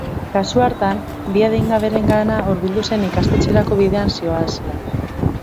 Kasu hartan, bi adingaberengana hurbildu zen ikastetxerako bidean zihoazela.